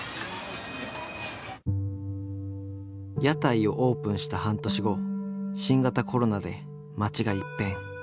屋台をオープンした半年後新型コロナで街が一変。